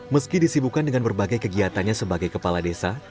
meski disibukan dengan berbagai kegiatannya sebagai kepala desa